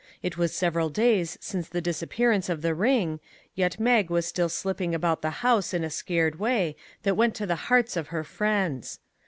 It was several days since the disappearance of the ring, yet Mag was still slipping about the house in a scared way that went to the hearts of her friends.